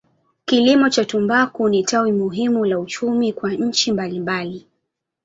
Kilimo cha tumbaku ni tawi muhimu la uchumi kwa nchi mbalimbali.